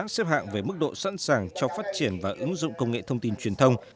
xếp hạng về mức độ sẵn sàng cho phát triển và ứng dụng công nghệ thông tin truyền thông